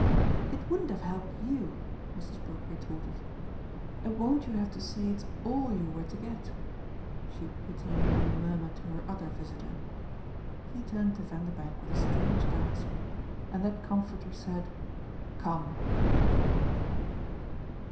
"It wouldn't have helped YOU" Mrs. Brook retorted. "And won't you have to say it's ALL you were to get?" she pityingly murmured to her other visitor. He turned to Vanderbank with a strange gasp, and that comforter said "Come!"